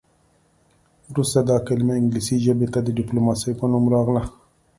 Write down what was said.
وروسته دا کلمه انګلیسي ژبې ته د ډیپلوماسي په نوم راغله